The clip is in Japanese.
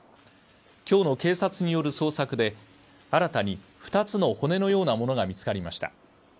今日の警察による捜索で、新たに２つの骨のようなものが見つかりました。